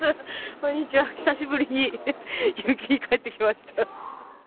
こんにちは久しぶりに結城に帰ってきました。